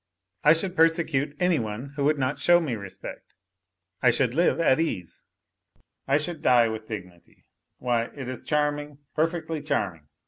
I should persecute any one who would not show me respect. I should live at ease, I should die with dignity, why, it is charming, perfectly charming